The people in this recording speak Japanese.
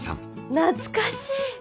懐かしい。